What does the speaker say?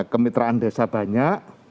kemitraan desa banyak